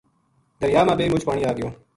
دریا ما بے مُچ پانی آگیو